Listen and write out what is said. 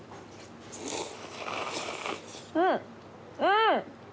うんうん。